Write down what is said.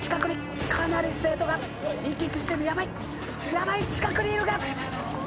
ヤバいヤバい近くにいるが。